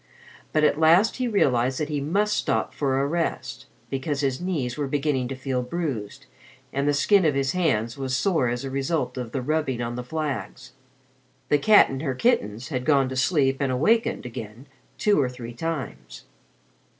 But at last he realized that he must stop for a rest, because his knees were beginning to feel bruised, and the skin of his hands was sore as a result of the rubbing on the flags. The cat and her kittens had gone to sleep and awakened again two or three times.